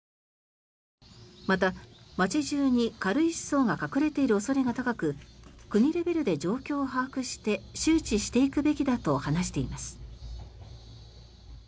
また、街中に軽石層が隠れている恐れが高く国レベルで状況を把握して周知していくべきだと話しています。